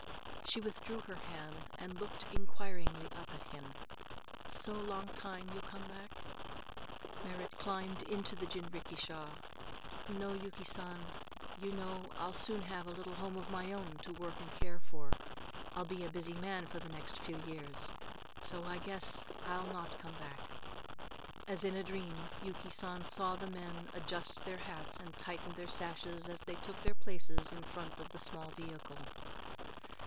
She withdrew her hand and looked inquiringly up at him. "Some long time you come back?" Merrit climbed into the jinrikisha "No, Yuki San, you know I'll soon have a little home of my own to work and care for. I'll be a busy man for the next few years, so I guess I'll not come back." As in a dream, Yuki San saw the men adjust their hats and tighten their sashes as they took their places in front of the small vehicle.